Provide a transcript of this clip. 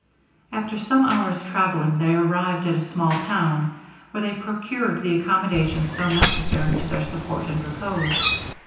After some hours travelling they arrived at a small town, where they procured the accommodation so necessary to their support and repose.